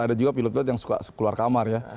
ada juga pilot pilot yang suka keluar kamar ya